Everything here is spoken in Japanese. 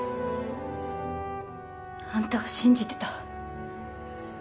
あんたを信じてた。